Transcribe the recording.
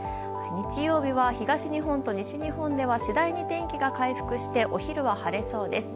日曜日は、東日本と西日本では次第に天気が回復してお昼は晴れそうです。